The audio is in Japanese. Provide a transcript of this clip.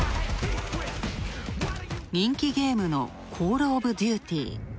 人気ゲームの「コール・オブ・デューティ」。